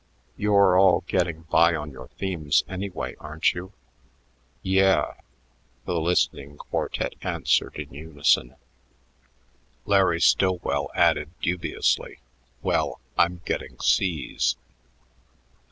You're all getting by on your themes, anyway, aren't you?" "Yeah," the listening quartet answered in unison, Larry Stillwell adding dubiously, "Well, I'm getting C's."